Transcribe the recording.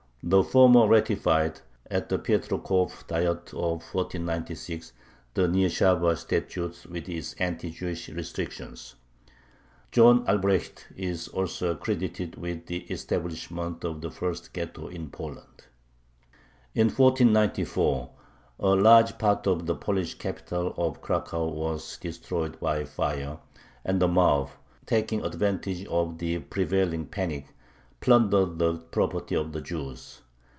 The former ratified, at the Piotrkov Diet of 1496, the Nyeshava Statute with its anti Jewish restrictions. John Albrecht is also credited with the establishment of the first ghetto in Poland. In 1494 a large part of the Polish capital of Cracow was destroyed by fire, and the mob, taking advantage of the prevailing panic, plundered the property of the Jews.